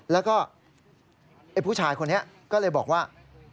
แล้วก็ไอ้ผู้ชายคนนี้ก็เลยบอกว่า